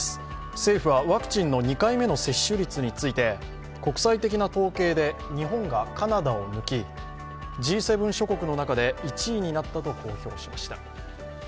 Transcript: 政府はワクチンの２回目の接種率について国際的な統計で日本がカナダを抜き、Ｇ７諸国の中で１位になったと公表しました。